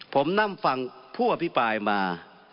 ผมนั่งฟังผู้อภิปรายมา